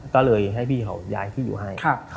ก็เลยให้พี่เขาย้ายที่อยู่ให้